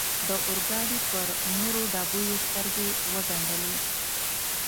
د اورګاډي پر نورو ډبو یې سترګې و ګنډلې.